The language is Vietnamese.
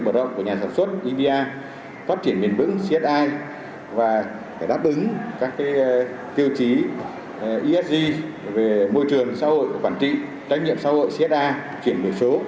trách nhiệm xã hội csa chuyển biểu số